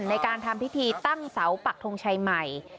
ในการทำพิธีตั้งเสาปักทงชัยใหม่